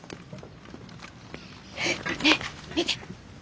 ねえ見て！